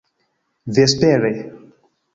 vespere